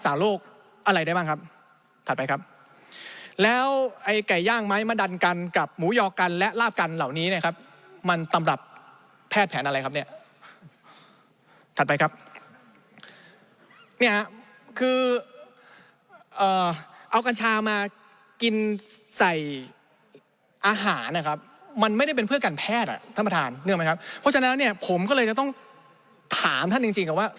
มันเกิดผลเสียหายกับเด็กแล้วจริงแล้วเป็นเคสใหม่จริง